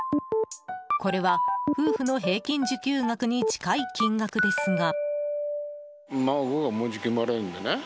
これは夫婦の平均受給額に近い金額ですが。